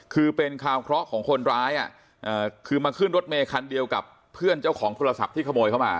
คือเป็นข่าวเคราะห์ของคนร้ายคือมาขึ้นรถเมย์คันเดียวกับเพื่อนเจ้าของโทรศัพท์ที่ขโมยเข้ามา